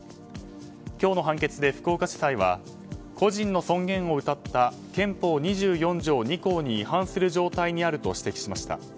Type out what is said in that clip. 今日の判決で福岡地裁は個人の尊厳をうたった憲法２４条２項に違反する状態にあると指摘しました。